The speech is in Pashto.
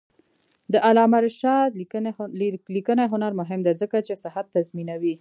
د علامه رشاد لیکنی هنر مهم دی ځکه چې صحت تضمینوي.